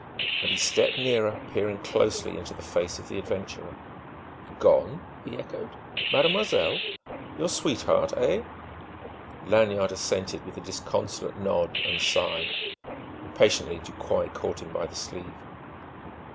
and he stepped nearer, peering closely into the face of the adventurer. "Gone?" he echoed. "Mademoiselle? Your sweetheart, eh?" Lanyard assented with a disconsolate nod and sigh. Impatiently Ducroy caught him by the sleeve.